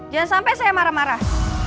jangan sampai saya marah marah